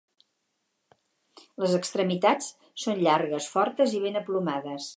Les extremitats són llargues, fortes i ben aplomades.